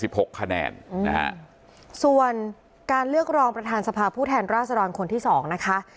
หกคะแนนอืมนะฮะส่วนการเลือกรองประธานสภาผู้แทนราษฎรคนที่สองนะคะ